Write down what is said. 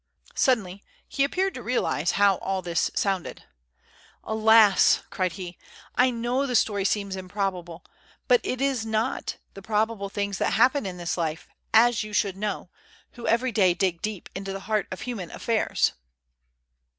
Suddenly he appeared to realize how all this sounded. "Alas!" cried he, "I know the story seems improbable; but it is not the probable things that happen in this life, as, you should know, who every day dig deep into the heart of human affairs."